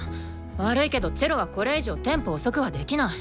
悪いけどチェロはこれ以上テンポ遅くはできない。